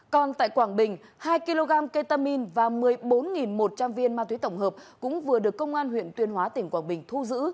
còn tại quảng bình hai kg ketamin và một mươi bốn một trăm linh viên ma túy tổng hợp cũng vừa được công an huyện tuyên hóa tỉnh quảng bình thu giữ